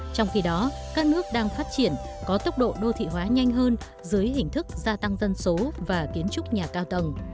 trong khi đó các nước đang phát triển có tốc độ đô thị hóa nhanh hơn dưới hình thức gia tăng dân số và kiến trúc nhà cao tầng